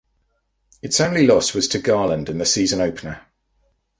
Its only loss was to Garland in the season opener.